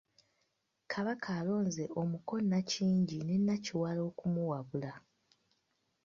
Kabaka alonze omuko Nakyingi ne Nakiwala okumuwabula.